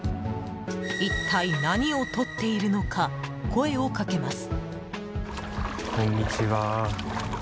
一体何をとっているのか声をかけます。